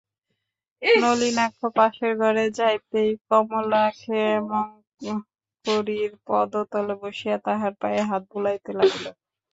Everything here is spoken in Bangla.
নলিনাক্ষ পাশের ঘরে যাইতেই কমলা ক্ষেমংকরীর পদতলে বসিয়া তাঁহার পায়ে হাত বুলাইতে লাগিল।